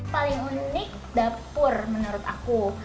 paling unik dapur menurut aku